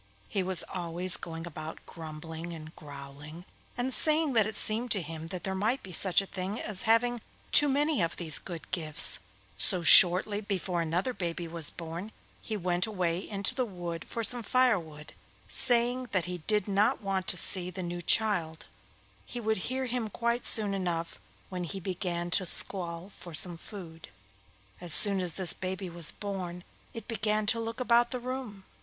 He was always going about grumbling and growling, and saying that it seemed to him that there might be such a thing as having too many of these good gifts; so shortly before another baby was born he went away into the wood for some firewood, saying that he did not want to see the new child; he would hear him quite soon enough when he began to squall for some food. As soon as this baby was born it began to look about the room.